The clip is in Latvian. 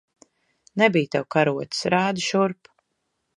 Nebij tev karotes. Rādi šurp!